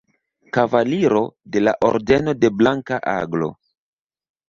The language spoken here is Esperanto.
Kavaliro de la Ordeno de Blanka Aglo.